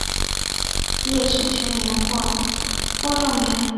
叶纸全缘或波状缘。